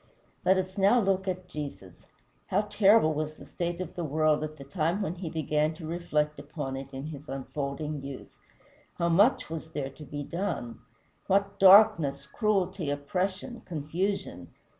Let us now look at Jesus. How terrible was the state of the world at the time when he began to reflect upon it in his unfolding youth! How much was there to be done! What darkness, cruelty, oppression, confusion!